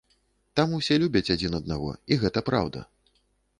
Там усе любяць адзін аднаго, і гэта праўда!